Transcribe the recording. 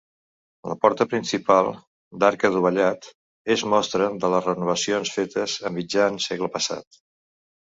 La porta principal, d'arc adovellat, és mostra de les renovacions fetes a mitjan segle passat.